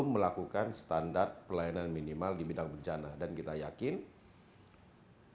memiliki kesiapan yang lebih dibandingkan dengan daerah daerah yang berbeda